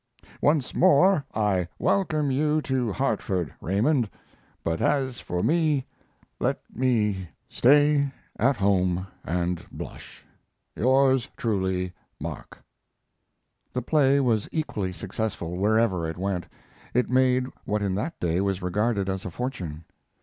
Once more I welcome you to Hartford, Raymond, but as for me let me stay at home and blush. Yours truly, MARK. The play was equally successful wherever it went. It made what in that day was regarded as a fortune.